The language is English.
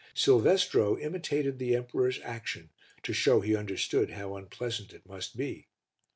Silvestro imitated the emperor's action to show he understood how unpleasant it must be.